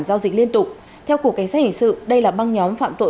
giao dịch liên tục theo cục cảnh sát hình sự đây là băng nhóm phạm tội